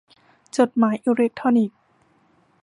จดหมายอิเล็กทรอนิกส์